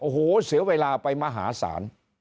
โอ้โหเสียเวลาไปมหาศาล